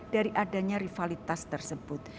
dari adanya rivalitas tersebut